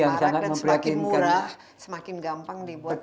dan semakin murah semakin gampang dibuat